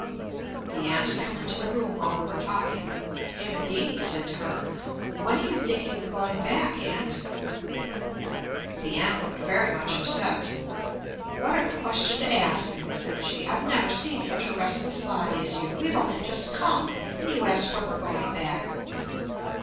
The aunt had come into the room while we were talking. Hemangini said to her: "When are you thinking of going back, Aunt?" The aunt looked very much upset. "What a question to ask!" said she, "I've never seen such a restless body as you. We've only just come, and you ask when we're going back!"